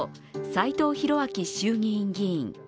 斎藤洋明衆議院議員。